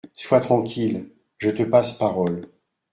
Sois tranquille, je te passe parole.